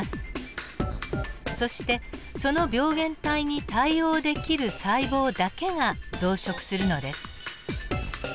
そしてその病原体に対応できる細胞だけが増殖するのです。